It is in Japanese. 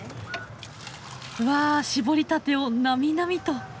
うわ搾りたてをなみなみと！